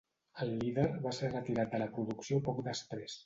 El líder va ser retirat de la producció poc després.